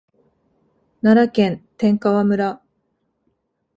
奈良県天川村